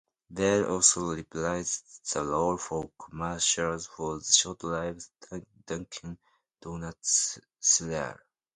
Vale also reprised the role for commercials for the short-lived Dunkin' Donuts Cereal.